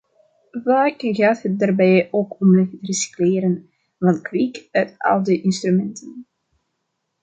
Vaak gaat het daarbij ook om het recycleren van kwik uit oude instrumenten.